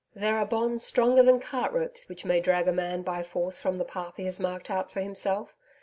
'There are bonds stronger than cart ropes which may drag a man by force from the path he has marked out for himself.